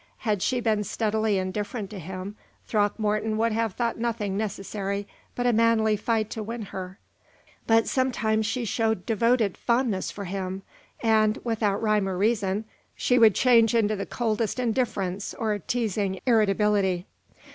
Had she been steadily indifferent to him, Throckmorton would have thought nothing necessary but a manly fight to win her; but sometimes she showed devoted fondness for him, and, without rhyme or reason, she would change into the coldest indifference or teasing irritability.